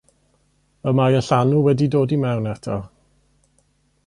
Y mae y llanw wedi dod i mewn eto.